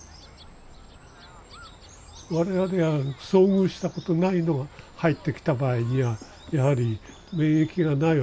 我々は遭遇したことないのが入ってきた場合にはやはり免疫がないわけですから。